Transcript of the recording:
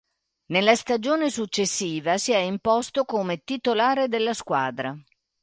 Nella stagione successiva, si è imposto come titolare della squadra.